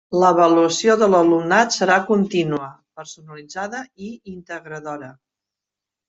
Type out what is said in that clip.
L'avaluació de l'alumnat serà contínua, personalitzada i integradora.